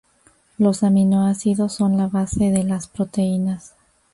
Los aminoácidos son la base de las proteínas.